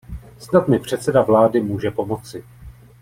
Snad mi předseda vlády může pomoci.